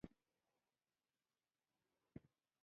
سر د وخته تر ګیوتین لاندي شوی وو.